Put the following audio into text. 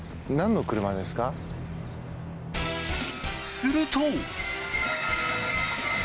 すると。